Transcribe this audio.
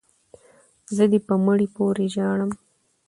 ـ زه دې په مړي پورې ژاړم،